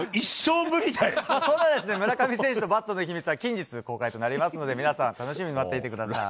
そんな村上選手のバットの秘密は、近日公開となりますので、皆さん、楽しみに待っていてください。